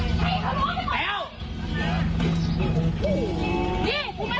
มึงไม่พามันไปกินน้ำเย็นที่บ้านกูเลย